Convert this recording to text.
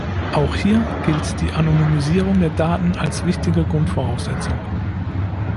Auch hier gilt die Anonymisierung der Daten als wichtige Grundvoraussetzung.